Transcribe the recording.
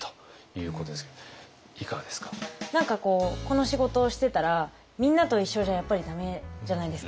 何かこうこの仕事をしてたらみんなと一緒じゃやっぱり駄目じゃないですか。